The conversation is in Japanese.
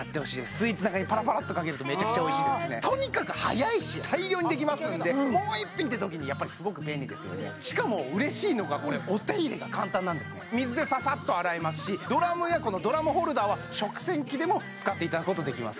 スイーツの中にポロポロっとかけるとめちゃくちゃおいしいですしねとにかく速いし大量にできますんでもう一品っていう時にやっぱりすごく便利ですよねしかも嬉しいのがこれ水でササッと洗えますしドラムやこのドラムホルダーは食洗器でも使っていただくことができます